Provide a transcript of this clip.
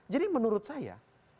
jadi menurut saya